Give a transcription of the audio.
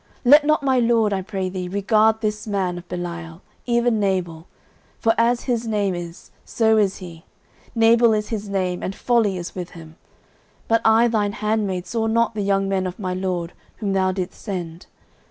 09:025:025 Let not my lord, I pray thee, regard this man of Belial, even Nabal: for as his name is, so is he; Nabal is his name, and folly is with him: but I thine handmaid saw not the young men of my lord, whom thou didst send.